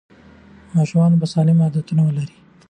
ماشومان به سالم عادتونه ولري.